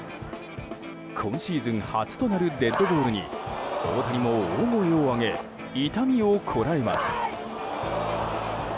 今シーズン初となるデッドボールに大谷も大声を上げ痛みをこらえます。